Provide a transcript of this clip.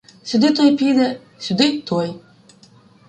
— Сюди той піде, сюди той.